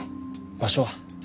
場所は？